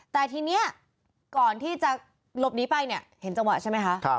แต่ทีนี้ก่อนที่จะหลบหนีไปเนี่ยเห็นจังหวะใช่ไหมคะ